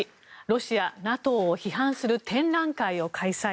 ロシア、ＮＡＴＯを批判する展覧会を開催。